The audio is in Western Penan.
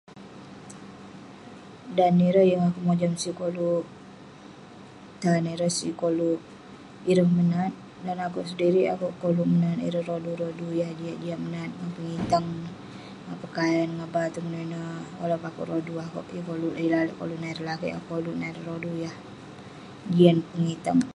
Dan ireh, yeng akouk mojam sik koluk tan ireh, sik koluk ireh menat..dan akouk sedirik, akouk koluk nat ireh rodu rodu yah jiak menat, ngan pengitang, ngan pakaian ngan batung neh ineh..walaupun akouk rodu, akouk yeng koluk lalek nat ireh lakeik, akouk nat ireh rodu yah jian pengitang